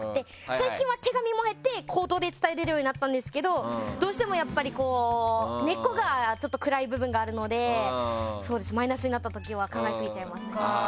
最近は手紙も減って、口頭で伝えるようになったんですけどどうしても根っこが暗い部分があるのでマイナスになった時は考え過ぎちゃいますね。